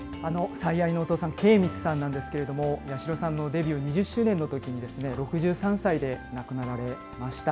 最愛のお父さん、敬光さんなんですけれども、八代さんのデビュー２０周年のときに、６３歳で亡くなられました。